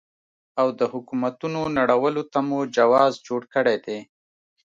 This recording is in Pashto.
او د حکومتونو نړولو ته مو جواز جوړ کړی دی.